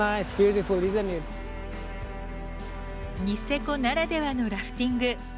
ニセコならではのラフティング。